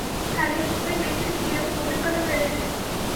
সালেহ, ঐ মেয়েটির কি এ-রকম অভিজ্ঞতা হয়েছে?